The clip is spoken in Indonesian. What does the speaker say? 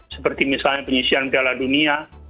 seperti misalnya penyisian piala dunia